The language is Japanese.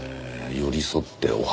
寄り添ってお話ね。